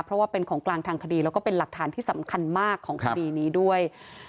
เพราะว่าเป็นของกลางทางคดีแล้วก็เป็นหลักฐานที่สำคัญมากของคดีนี้ด้วย